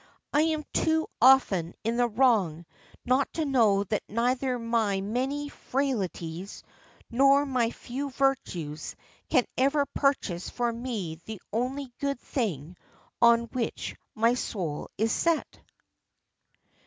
"I am too often in the wrong not to know that neither my many frailties nor my few virtues can ever purchase for me the only good thing on which my soul is set."